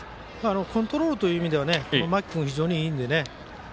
コントロールという意味で間木君、非常にいいんでね。